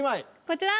こちら。